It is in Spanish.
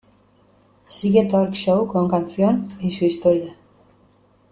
Sigue talk show con canción e su historia.